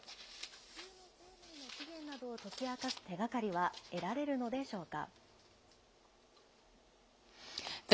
地球の生命の起源などを解き明かす手がかりは得られるのでしょうか。